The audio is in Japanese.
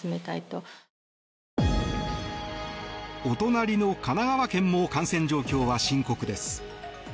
お隣の神奈川県も感染状況は深刻です。